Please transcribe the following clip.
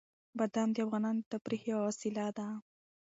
بادام د افغانانو د تفریح یوه وسیله ده.